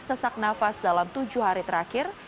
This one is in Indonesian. sesak nafas dalam tujuh hari terakhir